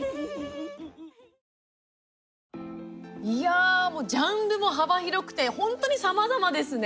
いやあ、もうジャンルも幅広くて本当にさまざまですね。